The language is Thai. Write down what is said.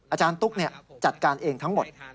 อาจารย์ตุ๊กจัดการเองทั้งหมด